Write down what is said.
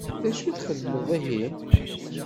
D acu txedmeḍ ihi?